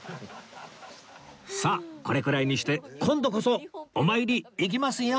さあこれくらいにして今度こそお参り行きますよ